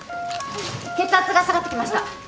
血圧が下がってきました。